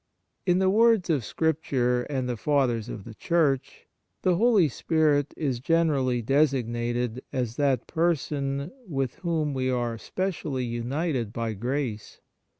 In the words of Scripture and the Fathers of the Church, the Holy Spirit is generally designated as that Person with whom we are specially united by grace.